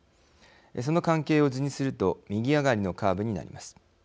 その関係を図にすると右上がりのカーブになります。